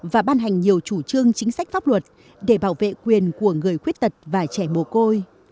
và ban hành nhiều chủ trương chính sách pháp luật để bảo vệ quyền của người khuyết tật và trẻ mồ côi